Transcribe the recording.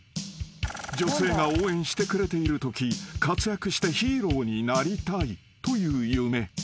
［女性が応援してくれているとき活躍してヒーローになりたいという夢］